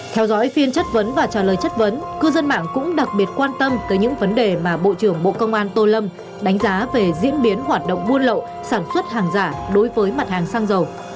theo dõi phiên chất vấn và trả lời chất vấn cư dân mạng cũng đặc biệt quan tâm tới những vấn đề mà bộ trưởng bộ công an tô lâm đánh giá về diễn biến hoạt động buôn lậu sản xuất hàng giả đối với mặt hàng xăng dầu